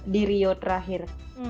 di rio terakhir